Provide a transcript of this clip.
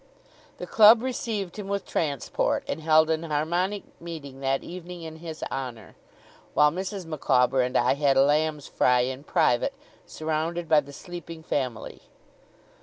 The club received him with transport, and held an harmonic meeting that evening in his honour; while Mrs. Micawber and I had a lamb's fry in private, surrounded by the sleeping family.